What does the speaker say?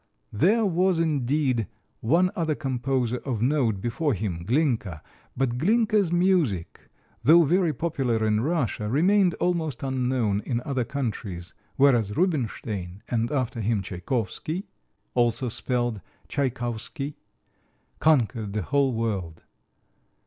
There was, indeed, one other composer of note before him Glinka but Glinka's music, though very popular in Russia, remained almost unknown in other countries, whereas Rubinstein, and, after him, Tchaikovsky (also spelled Tschaikowsky), conquered the whole world.